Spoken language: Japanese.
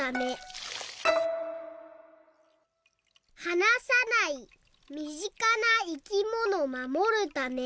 「はなさないみぢかないきものまもるため」。